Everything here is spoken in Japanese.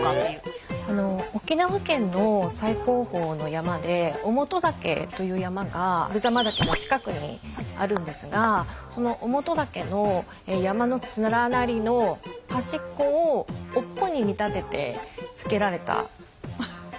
沖縄県の最高峰の山で於茂登岳という山がぶざま岳の近くにあるんですがその於茂登岳の山の連なりの端っこを尾っぽに見立てて付けられたという説が。